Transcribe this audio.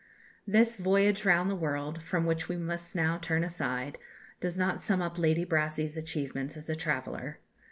" This "Voyage Round the World," from which we must now turn aside, does not sum up Lady Brassey's achievements as a traveller.